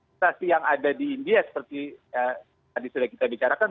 inflasi yang ada di india seperti tadi sudah kita bicarakan